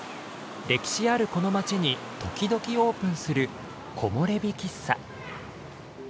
歴史あるこの街に時々オープンする木漏れ日喫茶。